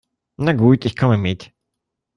Na gut, ich komme mit.